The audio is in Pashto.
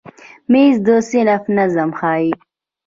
مېز د صنف نظم ښیي.